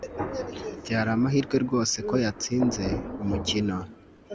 Byari amahirwe rwose ko yatsinze umukino